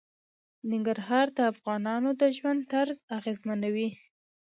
ننګرهار د افغانانو د ژوند طرز اغېزمنوي.